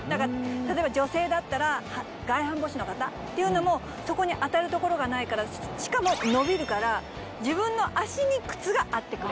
例えば女性だったら外反母趾の方っていうのもそこに当たる所がないからしかも伸びるから自分の足に靴が合ってくれる。